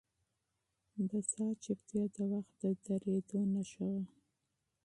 د ساعت چوپتیا د وخت د درېدو نښه وه.